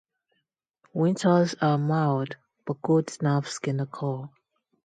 Winters are mild, but cold snaps can occur.